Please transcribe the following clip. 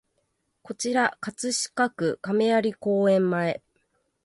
こちら葛飾区亀有公園前